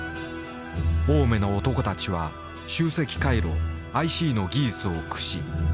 青梅の男たちは集積回路ＩＣの技術を駆使。